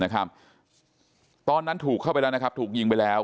ตอนนั้นถูกเข้าไปแล้วนะครับถูกยิงไปแล้ว